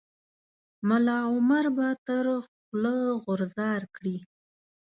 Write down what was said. ملا عمر به تر خوله غورځار کړي.